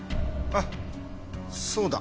あっそうだ。